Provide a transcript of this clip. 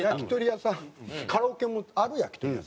カラオケもある焼き鳥屋さん。